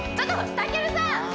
たけるさん